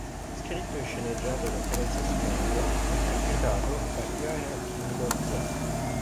Scritto e sceneggiato da Frances Marion, è interpretato da Clara Kimball Young.